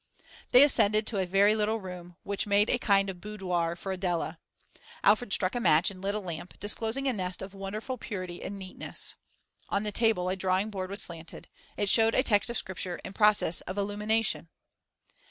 They ascended to a very little room, which made a kind of boudoir for Adela. Alfred struck a match and lit a lamp, disclosing a nest of wonderful purity and neatness. On the table a drawing board was slanted; it showed a text of Scripture in process of 'illumination.